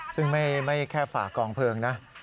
ซึ่งไม่แค่ฝ่ากองเพลิงนะ